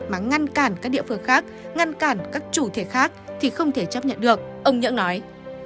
mà ngăn cản các địa phương khác ngăn cản các chủ thể khác thì không thể chấp nhận được ông nhớ nói